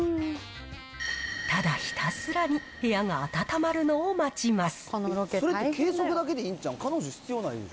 ただひたすらに部屋が温まるのを待ちます。